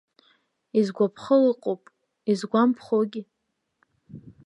Изгәаԥхо ыҟоуп, изгәамԥхогьы.